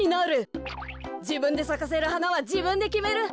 じぶんでさかせるはなはじぶんできめる。